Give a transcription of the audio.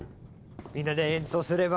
みんなで演奏すれば。